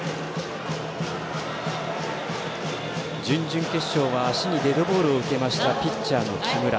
準々決勝は足にデッドボールを受けましたピッチャーの木村。